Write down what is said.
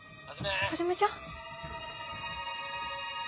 はじめちゃん？